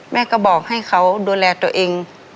แม่ก็บอกให้เขาดูแลตัวเอง